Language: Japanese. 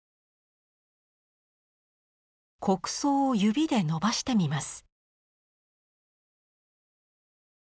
木屎を指で伸ばしてみます。